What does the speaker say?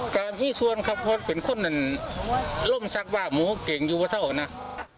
แต่พี่ชวนเขาเป็นคนล่มชักว่าหมูเก่งอยู่ว่าเท่านั้น